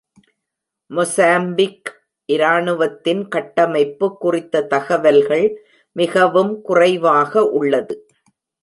Mozambique இராணுவத்தின் கட்டமைப்பு குறித்த தகவல்கள் மிகவும் குறைவாக உள்ளது.